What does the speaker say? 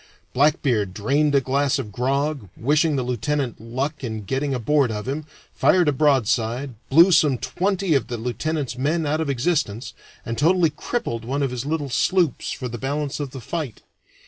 Blackbeard drained a glass of grog, wishing the lieutenant luck in getting aboard of him, fired a broadside, blew some twenty of the lieutenant's men out of existence, and totally crippled one of his little sloops for the balance of the fight.